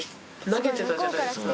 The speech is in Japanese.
投げてたじゃないですか。